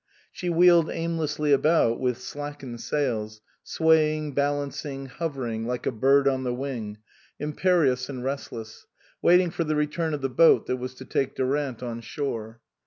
She wheeled aimlessly about with slackened sails, swaying, balancing, hovering like a bird on the wing, imperious and restless, waiting for the return of the boat that was to take Durant on shore.